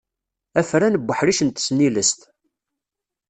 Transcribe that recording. Afran n uḥric n tesnilest.